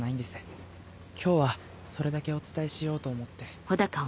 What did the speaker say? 今日はそれだけお伝えしようと思って。